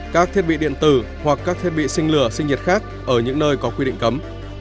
các thiết bị điện tử hoặc các thiết bị sinh lửa sinh nhiệt khác ở những nơi có quy định cấm